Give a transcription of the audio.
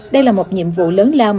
đây là một nhiệm vụ lớn lao